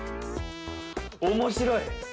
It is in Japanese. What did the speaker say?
面白い！